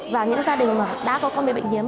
và những gia đình mà đã có con bị bệnh hiếm